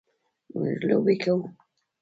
موږ لوبې کوو.